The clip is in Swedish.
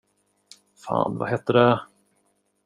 Fan, vad heter det?